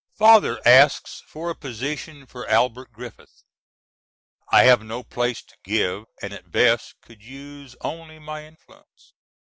Father asks for a position for Albert Griffith. I have no place to give and at best could use only my influence.